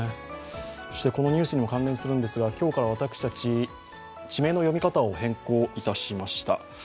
このニュースにも関連するんですが、今日から私たち地名の読み方を変更いたしました。